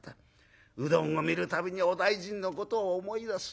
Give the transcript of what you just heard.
うどんを見る度にお大尽のことを思い出す。